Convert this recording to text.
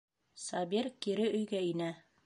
Сабир кире өйгә инә.